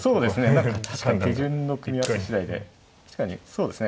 何か確かに手順の組み合わせ次第で確かにそうですね